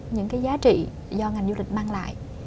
những cái giá trị do ngành du lịch mang lại